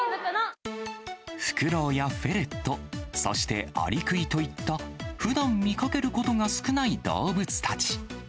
フクロウやフェレット、そしてアリクイといった、ふだん見かけることが少ない動物たち。